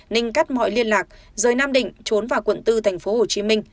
ninh cắt mọi liên lạc rời nam định trốn vào quận bốn tp hcm